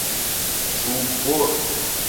چوب بر